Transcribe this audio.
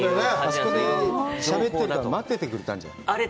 あそこでしゃべってたのを待っててくれたんじゃない？